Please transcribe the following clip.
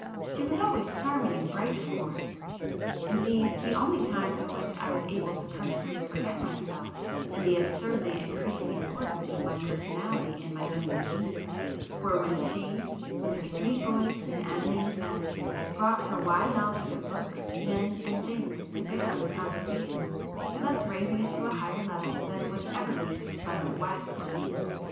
She was always charming and bright of course,—indeed the only times in which I was able to partially forget myself and the absurdly increasing importance of my personality in my own esteem, were when she, with her sweet voice and animated manner, brought her wide knowledge of books, men, and things, to bear on the conversation, thus raising it to a higher level than was ever reached by my wife or me.